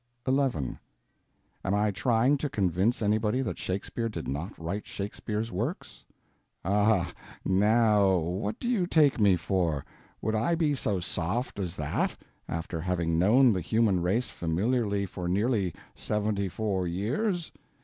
XI Am I trying to convince anybody that Shakespeare did not write Shakespeare's Works? Ah, now, what do you take me for? Would I be so soft as that, after having known the human race familiarly for nearly seventy four years?